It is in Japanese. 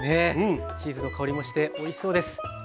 チーズの香りもしておいしそうです。